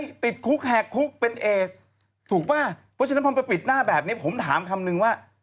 ติดคุกแหกคุกเป็นเอสถูกป่ะเพราะฉะนั้นพอไปปิดหน้าแบบนี้ผมถามคำนึงว่า